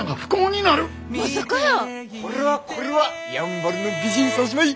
これはこれはやんばるの美人三姉妹。